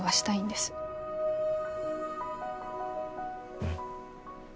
うん。